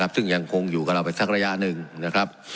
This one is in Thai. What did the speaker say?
ซึ่งยังคงอยู่กับเราไปสักระยะหนึ่งนะครับ